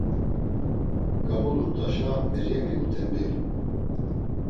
Gamulurt̆uşa Meryemi utembiğu.